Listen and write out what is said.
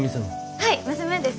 はい娘です。